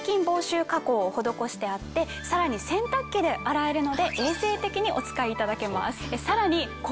を施してあってさらに洗濯機で洗えるので衛生的にお使いいただけます。